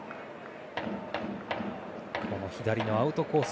左のアウトコース